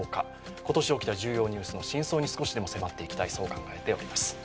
今年起きた重要ニュースの真相に少しでも迫っていきたい、そう考えております。